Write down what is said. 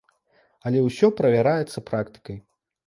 Але ўсё правяраецца практыкай.